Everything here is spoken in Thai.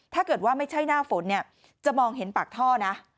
ถ้าเกิดว่าไม่ใช่หน้าฝนเนี่ยจะมองเห็นปากท่อนะ